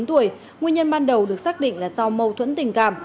tuổi nguyên nhân ban đầu được xác định là do mâu thuẫn tình cảm